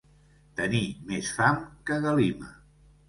Tenir més fam que Galima.